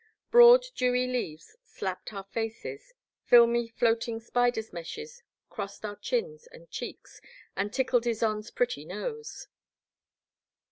Broad dewy leaves slapped our faces, filmy float ing spiders' meshes crossed our chins and cheeks and tickled Ysonde* s pretty nose."